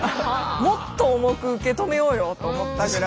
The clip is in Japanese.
もっと重く受け止めようよと思ったぐらい。